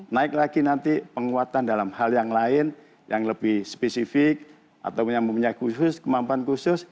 naik lagi nanti penguatan dalam hal yang lain yang lebih spesifik atau yang mempunyai kemampuan khusus